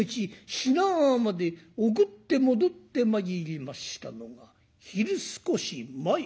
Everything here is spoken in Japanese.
品川まで送って戻ってまいりましたのが昼少し前。